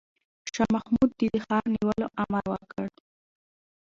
شاه محمود د ښار د نیولو امر وکړ.